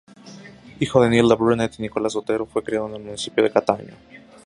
Hijo de Nilda Brunet y Nicolás Otero, fue criado en el Municipio de Cataño.